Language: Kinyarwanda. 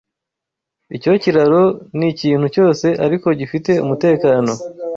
Icyo kiraro nikintu cyose ariko gifite umutekano.